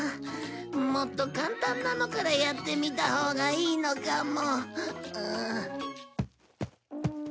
もっと簡単なのからやってみたほうがいいのかも。